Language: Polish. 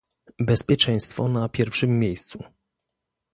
"bezpieczeństwo na pierwszym miejscu"